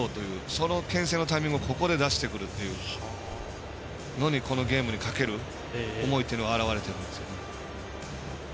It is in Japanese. そのけん制のタイミングをここで出してくるというのにこのゲームにかける思いが表れてくると思います。